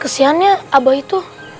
kesiannya abah itu